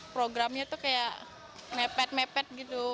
programnya tuh kayak nepet nepet gitu